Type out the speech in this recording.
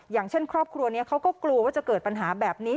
อย่างเช่นครอบครัวนี้เขาก็กลัวว่าจะเกิดปัญหาแบบนี้